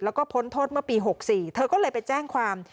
แล้วก็พ้นโทษเมื่อปี๖๔เธอก็เลยไปแจ้งความ